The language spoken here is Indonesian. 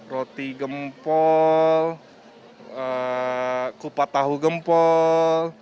roti gempol kupat tahu gempol